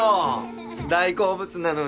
大好物なのに。